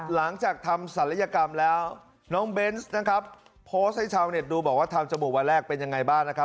หลังจากทำศัลยกรรมแล้วน้องเบนส์โพสต์ให้ชาวเน็ตดูบอกว่าทำจมูกวันแรกเป็นยังไงบ้าง